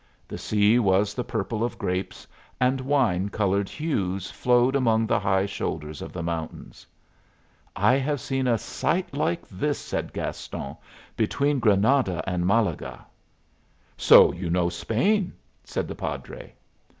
The sea was the purple of grapes, and wine colored hues flowed among the high shoulders of the mountains. "I have seen a sight like this," said Gaston, "between Granada and Malaga." "So you know Spain!" said the padre.